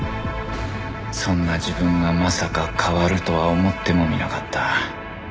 そんな自分がまさか変わるとは思ってもみなかった